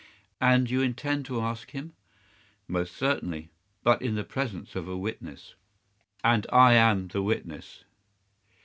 "And you intend to ask him?" "Most certainly—but in the presence of a witness." "And I am the witness?"